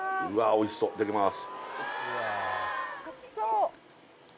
おいしそういただきます